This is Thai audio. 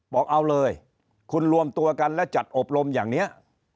บอกเอาเลยคุณรวมตัวกันและจัดอบรมอย่างนี้